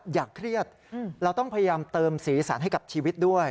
อย่าเครียดเราต้องพยายามเติมสีสันให้กับชีวิตด้วย